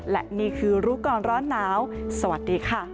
และนี่คือรู้ก่อนร้อนหนาวสวัสดีค่ะ